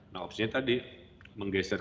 nah opsinya tadi menggeser